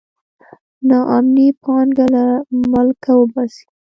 نا امني پانګه له ملکه وباسي.